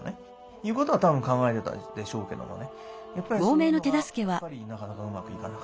いうことはたぶん考えていたでしょうけどもね。